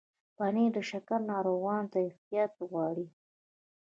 پنېر د شکر ناروغانو ته احتیاط غواړي.